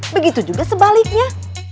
begitu juga sebaliknya